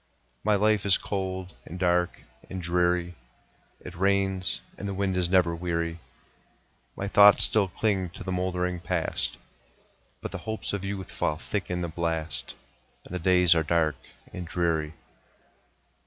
My life is cold, and dark, and dreary; It rains, and the wind is never weary; My thoughts still cling to the moldering Past, But the hopes of youth fall thick in the blast, And the days are dark and dreary.